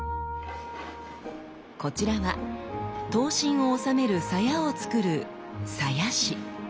こちらは刀身を収める鞘を作る鞘師。